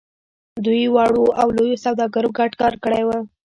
دوی وړو او لويو سوداګرو ګډ کار کړی و.